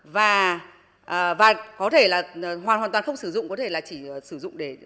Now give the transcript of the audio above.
và có thể là hoàn toàn không sử dụng có thể chỉ sử dụng để bán đồng nát